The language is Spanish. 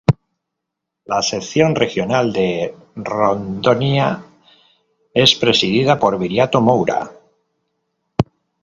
La sección regional de Rondônia es presidida por Viriato Moura.